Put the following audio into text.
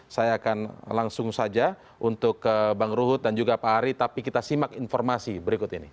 saya akan langsung saja untuk bang ruhut dan juga pak ari tapi kita simak informasi berikut ini